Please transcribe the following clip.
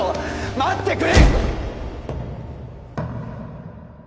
待ってくれ